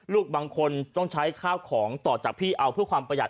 ลูกบางคนต้องใช้ข้าวของต่อจากพี่เอาเพื่อความประหัด